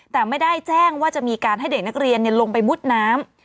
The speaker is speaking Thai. แต่ไม่ได้แจ้งว่าจะมีการให้เด็กนักเรียนลงไปมุดน้ำ